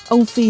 ông phìn nói